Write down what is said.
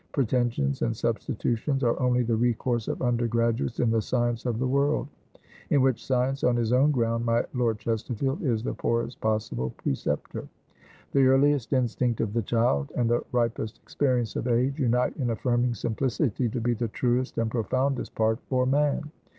Pretensions and substitutions are only the recourse of under graduates in the science of the world; in which science, on his own ground, my Lord Chesterfield, is the poorest possible preceptor. The earliest instinct of the child, and the ripest experience of age, unite in affirming simplicity to be the truest and profoundest part for man.